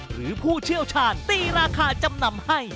ผู้เชี่ยวชาญตีราคาจำนำให้